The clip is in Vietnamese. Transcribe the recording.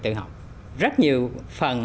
tự học rất nhiều phần